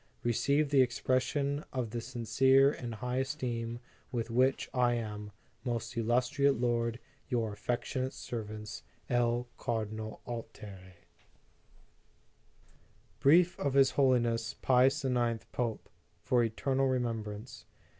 " Receive the expression of the sincere and high esteem with which "I am, Most illustrious Lord, "Your affectionate Servant, "L. CARDINAL ALTIERI." BRIEF OF HIS HOLINESS PIUS IX., POPE. FOR ETERNAL REMEMBRANCE.